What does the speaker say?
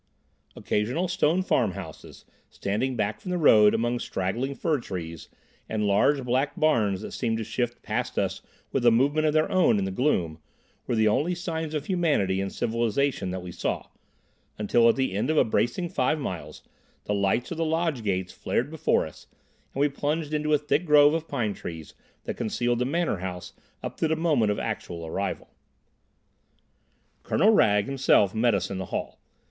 Occasional stone farmhouses, standing back from the road among straggling fir trees, and large black barns that seemed to shift past us with a movement of their own in the gloom, were the only signs of humanity and civilisation that we saw, until at the end of a bracing five miles the lights of the lodge gates flared before us and we plunged into a thick grove of pine trees that concealed the Manor House up to the moment of actual arrival. Colonel Wragge himself met us in the hall.